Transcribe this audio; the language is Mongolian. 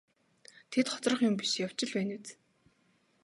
Тэд хоцрох юм биш явж л байна биз.